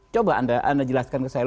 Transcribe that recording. coba anda jelaskan ke saya